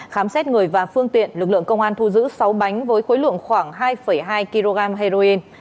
khám xét người và phương tiện lực lượng công an thu giữ sáu bánh với khối lượng khoảng hai hai kg heroin